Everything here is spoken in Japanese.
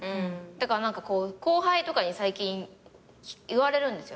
だから後輩とかに最近言われるんですよ。